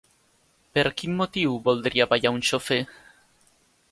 Per quin motiu voldria ballar un xofer?